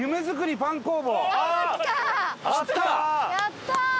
やったー！